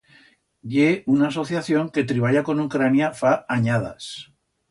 Ye una asociación que triballa con Ucrania fa anyadas.